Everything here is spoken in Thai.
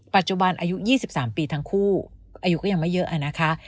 ปัจจุบันอายุ๒๓ปีทั้งคู่อายุก็ยังไม่เยอะนะคะ